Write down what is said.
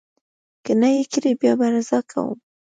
که نه یې کړي، بیا به رضا کوم.